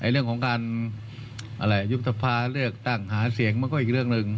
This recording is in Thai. เรื่องของการยุบสภาเลือกตั้งหาเสียงมันก็อีกเรื่องหนึ่ง